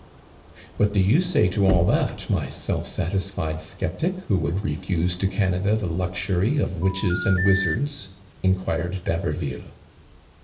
" What do you say to all that, my self satisfied skep tic who would refuse to Canada the luxury of witches and wizards ?" inquired d'Haberville.